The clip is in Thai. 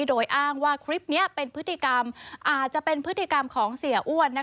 โดยอ้างว่าคลิปนี้เป็นพฤติกรรมอาจจะเป็นพฤติกรรมของเสียอ้วน